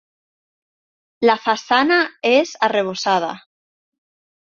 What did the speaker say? La façana és arrebossada.